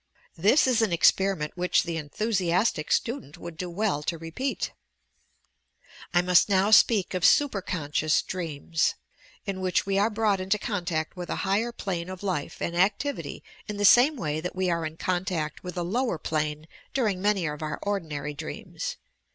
This is an experiment which the enthusiastic student would do well to repeat. 138 YOUR PSYCHIC POWERS I must now speak of "superconscious" dreams, in which we are brought into contact with a higher plane of life and activity in the same way that we are in contact with a lower plane during many of our ordinary dreams.